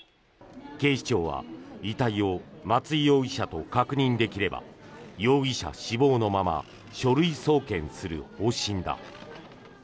警視庁は遺体を松井容疑者と確認できれば容疑者死亡のまま書類送検する方針だ。